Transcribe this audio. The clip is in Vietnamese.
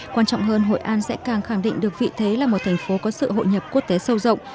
quan trọng hơn hội an sẽ càng khẳng định được vị thế là một thành phố có sự hội nhập quốc tế sâu rộng